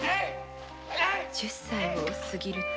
十歳を過ぎると。